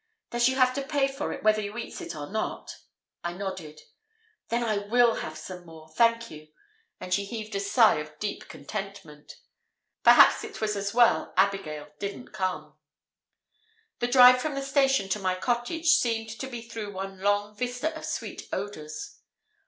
"Does you have to pay for it whether you eats it or not?" I nodded. "Then I will have some more, thank you," and she heaved a sigh of deep contentment. Perhaps it was as well Abigail didn't come! The drive from the station to my cottage seemed to be through one long vista of sweet odours.